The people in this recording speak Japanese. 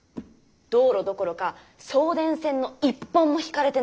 道路どころか送電線の一本も引かれてないんです。